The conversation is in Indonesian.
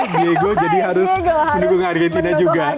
diego jadi harus mendukung argentina juga